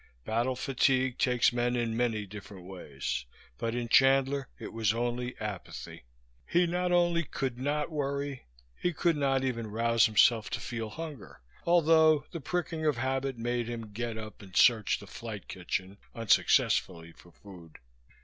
Battle fatigue takes men in many different ways, but in Chandler it was only apathy. He not only could not worry, he could not even rouse himself to feel hunger, although the pricking of habit made him get up and search the flight kitchen, unsuccessfully, for food.